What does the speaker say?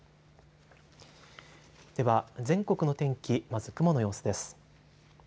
では全国の天気、まず雲の様子です。